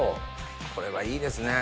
これはいいですね。